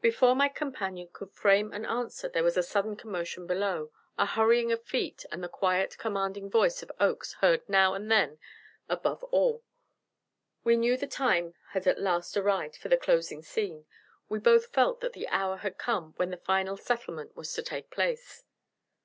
Before my companion could frame an answer there was a sudden commotion below a hurrying of feet, and the quiet, commanding voice of Oakes heard now and then above all. We knew the time had at last arrived for the closing scene; we both felt that the hour had come when the final settlement was to take place.